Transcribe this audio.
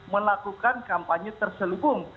melakukan kampanye terselubung